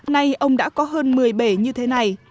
nay ông đã có hơn một mươi bể như thế này